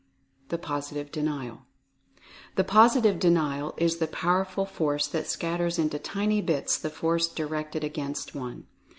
THE POSITIVE DENIAL. The POSITIVE DENIAL is the powerful Force that scatters into tiny bits the Force directed against one.